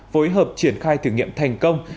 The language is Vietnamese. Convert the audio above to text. phối hợp triển khai thử nghiệm thành công